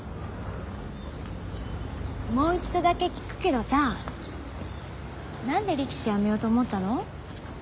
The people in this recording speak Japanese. もう一度だけ聞くけどさ何で力士やめようと思ったの？